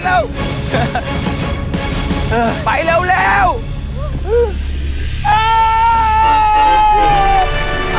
นะคะ